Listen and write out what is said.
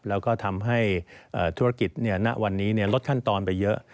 แล้วก็ทำให้ธุรกิจณวันนี้ลดขั้นตอนไปเยอะ